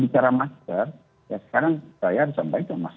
saya harus sampai ke mas